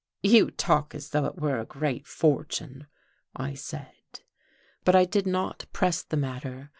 "You talk as though it were a great fortune," I said. But I did not press the matter.